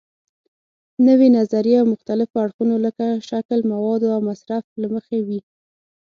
نوې نظریې له مختلفو اړخونو لکه شکل، موادو او مصرف له مخې وي.